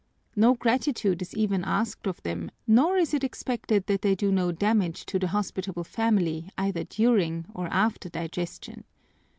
No gratitude is even asked of them nor is it expected that they do no damage to the hospitable family either during or after digestion!